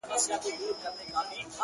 سره ورک یې کړل زامن وروڼه پلرونه!.